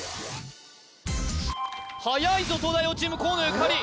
はやいぞ東大王チーム河野ゆかり